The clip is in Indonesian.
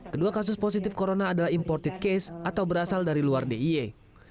kedua kasus positif corona adalah imported case atau berasal dari luar d i e